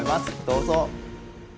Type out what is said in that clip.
どうぞ。